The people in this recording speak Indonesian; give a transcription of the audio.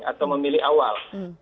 atau memilih awal